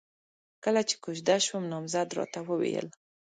کله چې کوژده شوم، نامزد راته وويل: